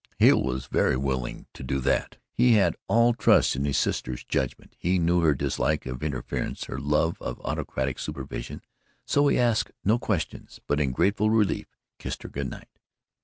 Hale was very willing to do that. He had all trust in his sister's judgment, he knew her dislike of interference, her love of autocratic supervision, so he asked no questions, but in grateful relief kissed her good night.